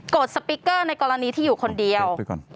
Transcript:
สปิ๊กเกอร์ในกรณีที่อยู่คนเดียว